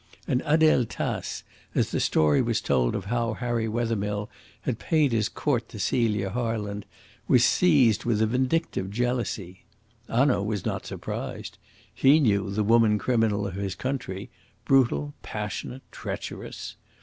And Adele Tace, as the story was told of how Harry Wethermill had paid his court to Celia Harland, was seized with a vindictive jealousy. Hanaud was not surprised. He knew the woman criminal of his country brutal, passionate, treacherous.